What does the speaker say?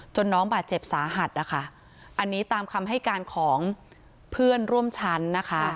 น้องบาดเจ็บสาหัสนะคะอันนี้ตามคำให้การของเพื่อนร่วมชั้นนะคะ